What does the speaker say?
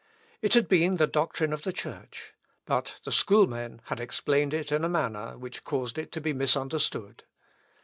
It had been the doctrine of the church. But the schoolmen had explained it in a manner which caused it to be misunderstood.